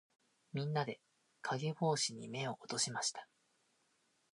みんなで、かげぼうしに目を落としました。